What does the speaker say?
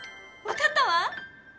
わかったわ！